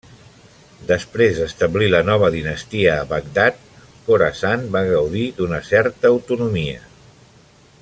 Després d'establir la nova dinastia a Bagdad, Khorasan va gaudir d'una certa autonomia.